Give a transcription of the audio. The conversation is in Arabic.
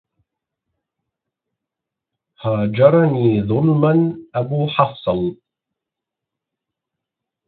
هاجرني ظلما أبو حفصل